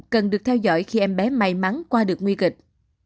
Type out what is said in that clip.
cần được theo dõi khi em bé may mắn qua được nguy kịch